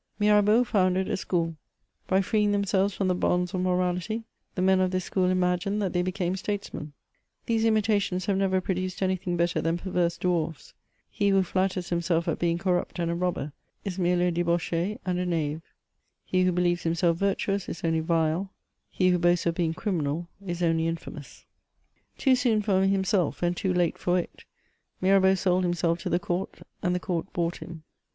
Mirabeau founded a school. By freeing themselves from the bonds of morality, the men of tms school imagined that they became statesmen. These imitations have never produced any thing better than perverse dwarfs ; he who flatters himself at being corrupt and a robber, is merely a debauch^ and a knave ; he who believes himself virtuous, is only vile; he who boasts of being cnmi|^l, \s only infamous. 218 MEMoms OF Too soon for himself and too late for it, Mirabeau sold himself to the court, and the court bought him.